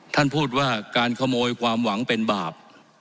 ท่านพูดว่าการขโมยความหวังเป็นบาป